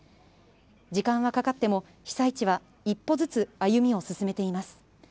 時間はかかっても被災地は一歩ずつ歩みを進めています。